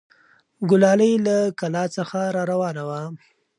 ګلالۍ له کلا څخه راروانه وه.